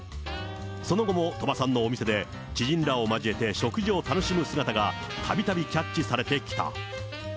その後も鳥羽さんのお店で知人らを交えて食事を楽しむ姿がたびたびキャッチされてきた。